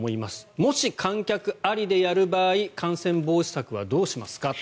もし観客ありでやる場合感染防止策はどうしますか。